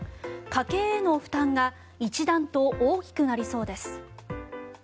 家計への負担が一段と大きくなりそうです。